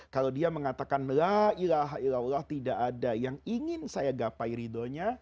kalau dia mengatakan la ilaha illallah tidak ada yang ingin saya gapai ridhonya